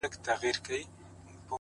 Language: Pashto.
د حقیقت غږ ورو خو پیاوړی وي!